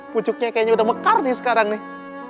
pucuknya kayaknya udah mekar nih sekarang nih